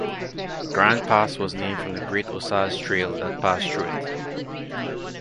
Grand Pass was named from the Great Osage Trail that passed through it.